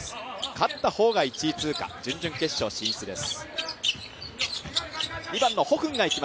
勝った方が１位通過、準々決勝進出です。